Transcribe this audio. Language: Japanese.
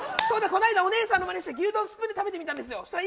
そうだ、この前お姉さんのまねして牛丼スプーンで食べてみたんですよ。